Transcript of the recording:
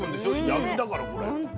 焼きだからこれ。